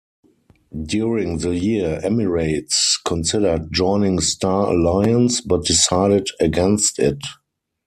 During the year, Emirates considered joining Star Alliance, but decided against it.